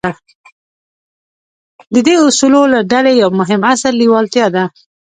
د دې اصولو له ډلې يو مهم اصل لېوالتیا ده.